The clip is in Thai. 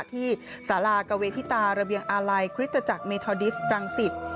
ที่สารากเวทิตาระเบียงอาลัยคริสตจักรเมทอดิสรังสิต